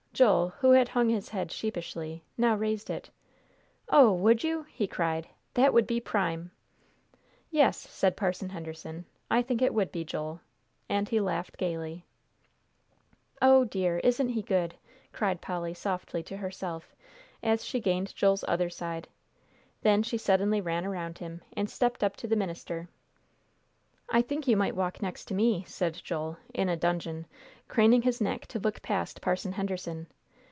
Joel, who had hung his head sheepishly, now raised it. "Oh, would you?" he cried; "that would be prime!" "Yes," said Parson Henderson, "I think it would be, Joel," and he laughed gayly. "O dear, isn't he good!" cried Polly, softly, to herself, as she gained Joel's other side. Then she suddenly ran around him, and stepped up to the minister. "I think you might walk next to me," said Joel, in a dudgeon, craning his neck to look past Parson Henderson.